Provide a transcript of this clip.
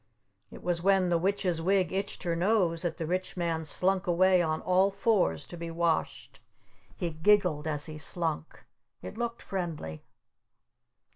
It was when the Witch's Wig itched her nose that the Rich Man slunk away on all fours to be washed. He giggled as he slunk. It looked friendly.